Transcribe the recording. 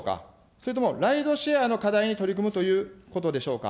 それとも、ライドシェアの課題に取り組むということでしょうか。